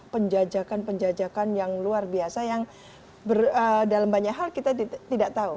penjajakan penjajakan yang luar biasa yang dalam banyak hal kita tidak tahu